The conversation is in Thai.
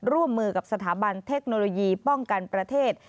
ร่วมมือกับสถาบันเทคโนโลยีป้องกันประเทศ